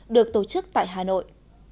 được tổ chức tại hà nội